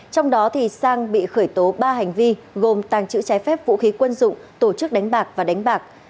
trong đó sang bị khởi tố ba hành vi gồm tàng trữ trái phép vũ khí quân dụng tổ chức đánh bạc và đánh bạc